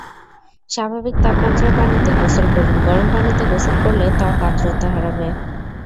স্বাভাবিক তাপমাত্রার পানিতে গোসল করুন, গরম পানিতে গোসল করলে ত্বক আর্দ্রতা হারাবে।